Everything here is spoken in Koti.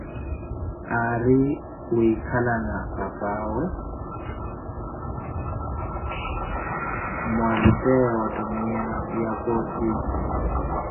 Ari wiikala na pipaawe mmwaaliteia wa tuniya ya koti.